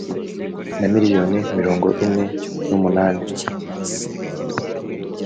na miliyoni mirongo ine n umunani